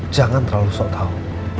jangan terlalu sok tau